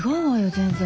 全然。